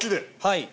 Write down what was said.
はい。